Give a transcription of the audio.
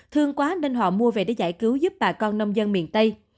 thương quá nên họ mua về để giải cứu giúp bà con nông dân miền tây